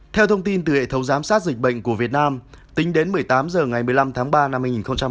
theo thông tin từ hệ thống giám sát dịch bệnh của việt nam tính đến một mươi tám h ngày một mươi năm tháng ba năm hai nghìn hai mươi